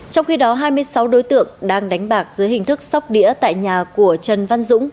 trong khi đó hai mươi sáu đối tượng đang đánh bạc dưới hình thức sóc đĩa tại nhà của trần văn dũng